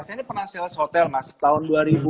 saya ini pernah sales hotel mas tahun dua ribu